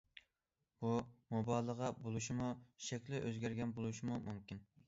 بۇ مۇبالىغە بولۇشىمۇ، شەكلى ئۆزگەرگەن بولۇشىمۇ مۇمكىن.